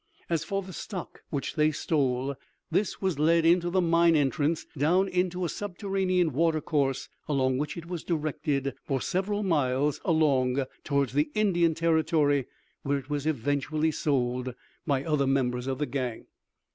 As for the stock which they stole, this was led into the mine entrance, down into a subterranean water course along which it was directed for several miles along towards the Indian Territory where it was eventually sold by other members of the gang.